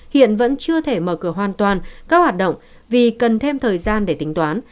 hiện vẫn chưa thể mở cửa hoàn toàn các hoạt động vì cần thêm thời gian để tính toán